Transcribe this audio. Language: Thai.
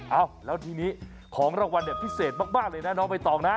เอ้าแล้วทีนี้ของรางวัลเนี่ยพิเศษมากเลยนะน้องใบตองนะ